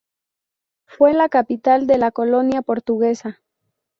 Fue la capital de la colonia portuguesa.